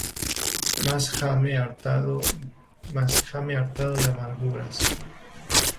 Mas hame hartado de amarguras.